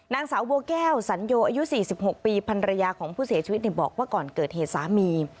นางสาวบัวแก้วสัญโยอายุ๔๖ปีพันรยาของผู้เสียชีวิตบอกว่าก่อนเกิดเหตุสามี